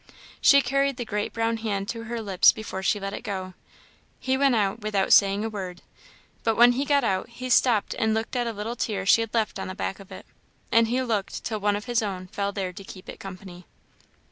She carried the great brown hand to her lips before she let it go. He went, without saying a word. But when he got out, he stopped and looked at a little tear she had left on the back of it. And he looked till one of his own fell there to keep it company.